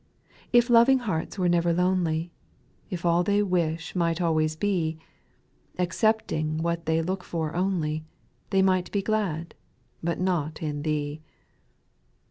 2. If loving hearts were never lonely, If all they wish might always be, Accepting what they look for only. They might be glad, but not in Thee.